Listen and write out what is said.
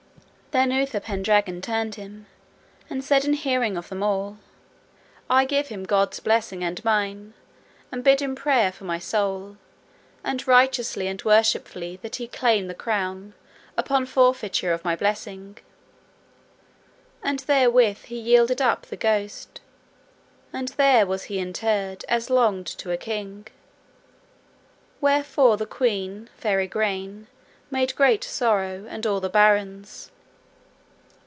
Then Uther Pendragon turned him, and said in hearing of them all, I give him God's blessing and mine, and bid him pray for my soul, and righteously and worshipfully that he claim the crown, upon forfeiture of my blessing; and therewith he yielded up the ghost, and then was he interred as longed to a king. Wherefore the queen, fair Igraine, made great sorrow, and all the barons.